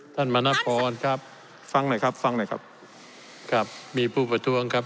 มณพรครับฟังหน่อยครับฟังหน่อยครับครับมีผู้ประท้วงครับ